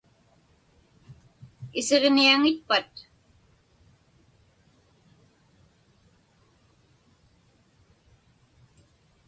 Isiġniaŋitpat?